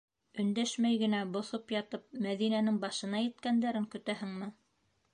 Өндәшмәй генә боҫоп ятып, Мәҙинәнең башына еткәндәрен көтәһеңме?